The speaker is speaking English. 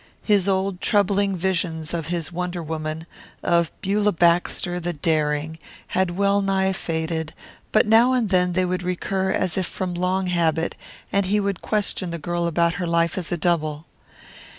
His old troubling visions of his wonder woman, of Beulah Baxter the daring, had well nigh faded, but now and then they would recur as if from long habit, and he would question the girl about her life as a double.